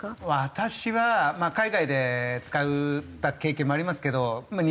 私は海外で使った経験もありますけどまあ